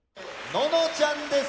ののちゃんです。